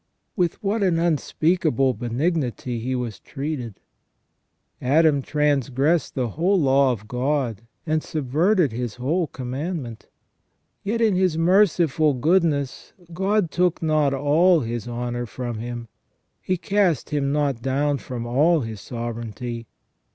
With what an unspeakable benignity was he treated ! Adam trangressed the whole law of God and subverted His whole commandment ; yet in His merciful goodness God took not all his honour from him. He cast him not down from all his sovereignty.